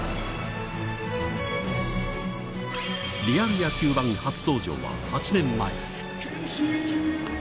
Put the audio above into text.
リアル野球 ＢＡＮ 初登場は８年前